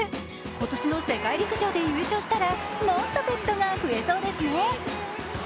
今年の世界陸上で優勝したらもっとペットが増えそうですね。